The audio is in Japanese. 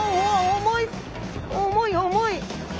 重い重い。